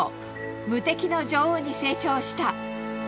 無敵の女王に成長した。